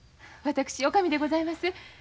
私女将でございます。